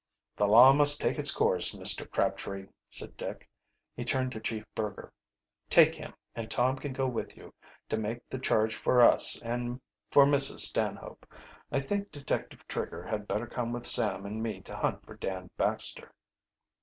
"The law must take its course, Mr. Crabtree," said Dick. He turned to Chief Burger. "Take him, and Tom can go with you, to make the charge for us and for Mrs. Stanhope. I think Detective Trigger had better come with Sam and me to hunt for Dan Baxter."